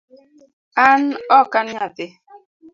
An ok an nyathi